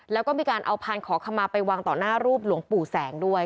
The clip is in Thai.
แล้วก็มีการเอาพานขอขมาไปวางต่อหน้ารูปหลวงปู่แสงด้วย